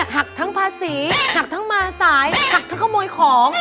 หักพาสีหักเมื่อสายหักเขม้วยของ